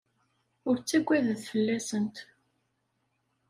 Ur ttaggadet fell-asent.